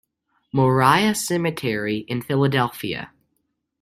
Moriah Cemetery in Philadelphia.